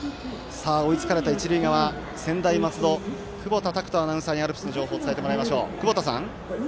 追いつかれた一塁側、専大松戸久保田拓人アナウンサーにアルプスの情報を伝えてもらいます。